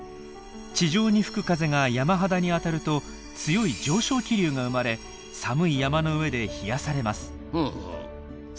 地上に吹く風が山肌に当たると強い上昇気流が生まれ寒い山の上で冷やされます。